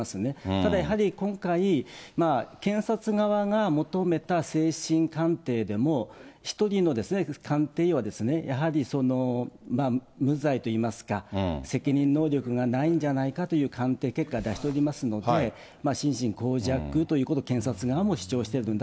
ただやはり今回、検察側が求めた精神鑑定でも１人の鑑定員はやはり無罪といいますか、責任能力がないんじゃないかという鑑定結果、出しておりますので、心神耗弱ということを検察側も主張してるん